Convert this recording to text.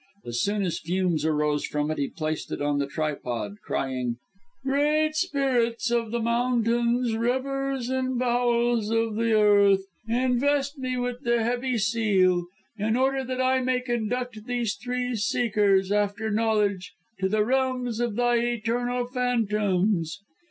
As soon as fumes arose from it, he placed it on the tripod, crying, "Great Spirits of the mountains, rivers and bowels of the earth, invest me with the heavy seal, in order that I may conduct these three seekers after knowledge to the realms of thy eternal phantoms."